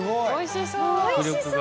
おいしそう。